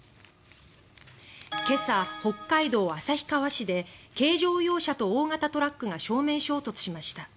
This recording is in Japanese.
今朝、北海道旭川市で軽乗用車と大型トラックが正面衝突しました。